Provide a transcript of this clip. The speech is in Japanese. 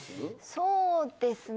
そうですね